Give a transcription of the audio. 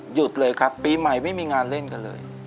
หยุดเลยครับปีใหม่ไม่มีงานเล่นกันเลย